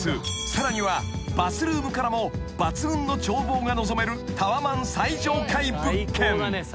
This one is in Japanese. さらにはバスルームからも抜群の眺望が望めるタワマン最上階物件］